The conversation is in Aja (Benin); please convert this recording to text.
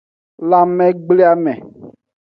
Lanmegbleame.